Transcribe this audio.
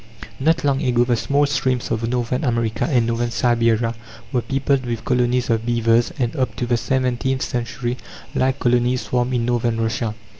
Not long ago the small streams of Northern America and Northern Siberia were peopled with colonies of beavers, and up to the seventeenth century like colonies swarmed in Northern Russia.